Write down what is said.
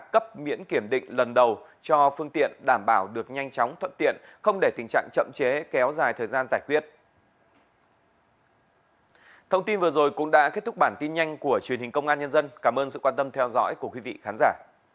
cảm ơn sự quan tâm theo dõi của quý vị khán giả